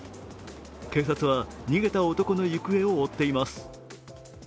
警察は逃げた男の行方を追っています。